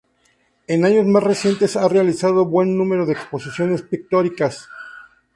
En años más recientes ha realizado buen número de exposiciones pictóricas.